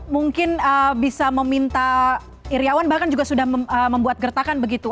mungkin bisa meminta iryawan bahkan juga sudah membuat gertakan begitu